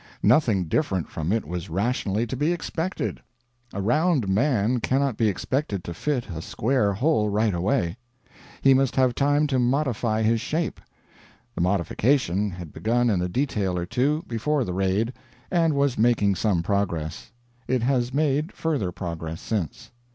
Nothing different from it was rationally to be expected. A round man cannot be expected to fit a square hole right away. He must have time to modify his shape. The modification had begun in a detail or two, before the Raid, and was making some progress. It has made further progress since.